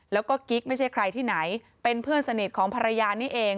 แล้วก็กิ๊กไม่ใช่ใครที่ไหนเป็นเพื่อนสนิทของภรรยานี่เอง